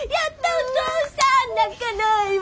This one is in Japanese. お父さん泣かないわ。